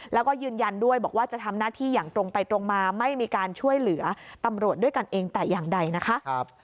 แล้วก็ยืนยันด้วยบอกว่าจะทำหน้าที่อย่างตรงไปตรงมาไม่มีการช่วยเหลือตำรวจด้วยกันเองแต่อย่างใดนะคะ